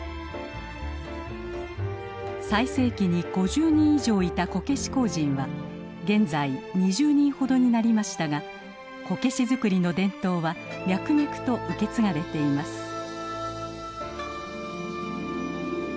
最盛期に５０人以上いたこけし工人は現在２０人ほどになりましたがこけし作りの伝統は脈々と受け継がれています。